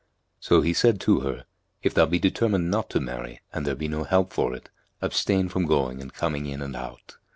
So he said to her 'If thou be determined not to marry and there be no help for it abstain from going and coming in and out.'